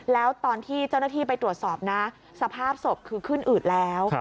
แล้วตอนที่เจ้าหน้าที่ไปตรวจสอบนะสภาพศพคือขึ้นอืดแล้ว